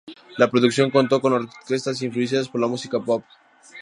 La producción contó con orquestas influenciadas por la música pop.